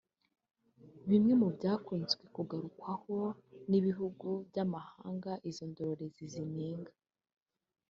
Bimwe mu byakunzwe kugarukwaho n’ibihugu by’amahanga izo ndorerezi zinenga